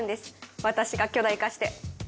私が巨大化して。